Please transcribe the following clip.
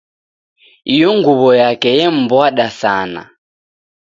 Iyo nguwo yake yambwada sana